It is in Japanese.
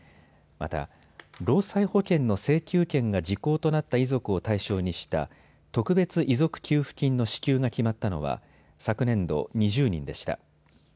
また、労災保険の請求権が時効となった遺族を対象にした特別遺族給付金の支給が決まったのは昨年度、２０人でした。